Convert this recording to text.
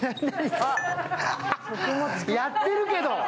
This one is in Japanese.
やってるけど。